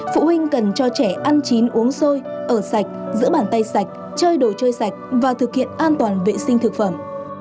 phụ huynh cần cho trẻ ăn chín uống sôi ở sạch giữ bàn tay sạch chơi đồ chơi sạch và thực hiện an toàn vệ sinh thực phẩm